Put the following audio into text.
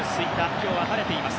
今日は晴れています。